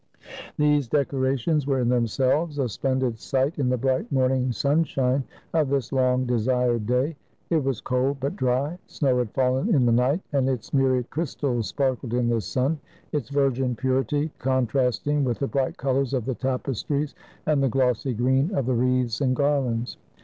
These decorations were in themselves a splendid sight in the bright morning sunshine of this long desired day. It was cold but dry. Snow had fallen in the night, and its myriad crystals sparkled in the sun, its virgin purity contrasting with the bright colors of the tapestries and the glossy green of the wreaths and garlands.